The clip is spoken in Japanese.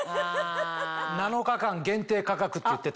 ７日間限定価格って言ってた。